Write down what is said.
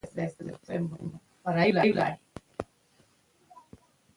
زړه مي په اختیار کي نه دی،